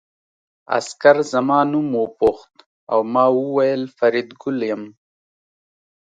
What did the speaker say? عسکر زما نوم وپوښت او ما وویل فریدګل یم